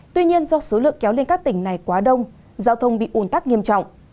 tuy nhiên do số lượng kéo lên các tỉnh này quá đông giao thông bị ủn tắc nghiêm trọng